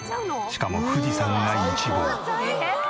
しかも富士山が一望。